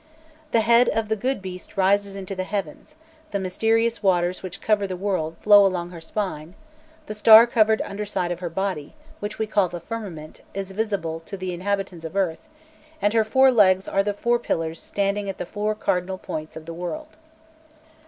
The head of the good beast rises into the heavens, the mysterious waters which cover the world flow along her spine; the star covered underside of her body, which we call the firmament, is visible to the inhabitants of earth, and her four legs are the four pillars standing at the four cardinal points of the world.